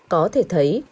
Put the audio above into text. có thể thấy